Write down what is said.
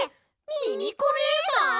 ミミコねえさん！？